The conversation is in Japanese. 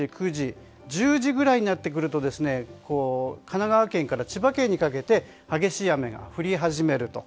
１０時ぐらいになってくると神奈川県から千葉県にかけて激しい雨が降り始めると。